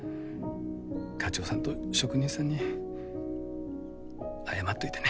課長さんと職人さんに謝っといてね。